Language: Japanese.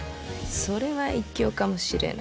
それは一興かもしれぬ。